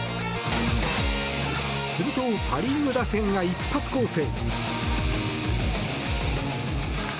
すると、パ・リーグ打線が一発攻勢。